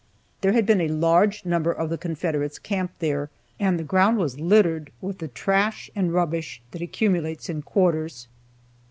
There had been a large number of the Confederates camped there, and the ground was littered with the trash and rubbish that accumulates in quarters.